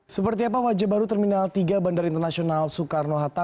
seperti apa wajah baru terminal tiga bandara internasional soekarno hatta